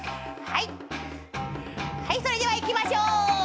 はいそれではいきましょう。